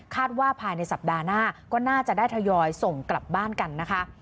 ว่าภายในสัปดาห์หน้าก็น่าจะได้ทยอยส่งกลับบ้านกันนะคะ